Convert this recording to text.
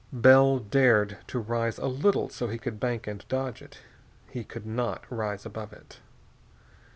Bell dared to rise a little so he could bank and dodge it. He could not rise above it.